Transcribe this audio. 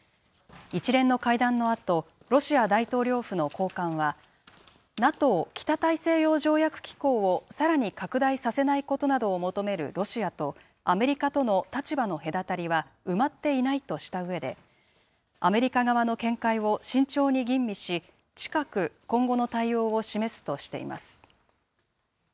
一連の会談のあと、ロシア大統領府の高官はＮＡＴＯ・北大西洋条約機構をさらに拡大させないことなどを求めるロシアとアメリカとの立場の隔たりは埋まっていないとしたうえで、アメリカ側の見解を慎重に吟味し、近く、今後の対応を示すとしています。